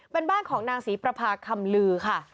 เป็นบ้านของนางศรีประพาคำลือค่ะ